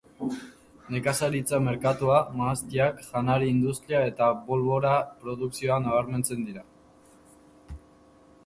Nekazaritza merkatua, mahastiak, janari industria eta bolbora produkzioa nabarmentzen dira.